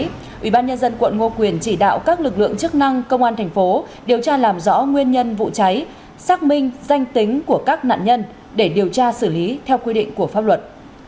ủy ban nhân dân quận ngô quyền chỉ đạo các lực lượng chức năng công an thành phố điều tra làm rõ nguyên nhân vụ cháy xác minh danh tính của các nạn nhân để điều tra xử lý theo quy định của pháp luật